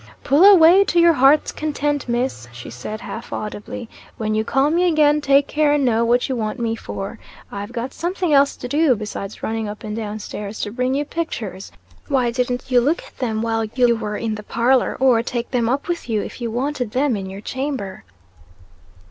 "Pull away to your heart's content, Miss!" she said, half audibly. "When you call me again take care and know what you want me for. I've got something else to do besides running up and down stairs to bring you pictures. Why didn't you look at them while you were in the parlor, or, take them up with you, if you wanted them in your chamber?"